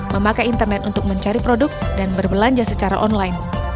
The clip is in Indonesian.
memakai internet untuk mencari produk dan berbelanja secara online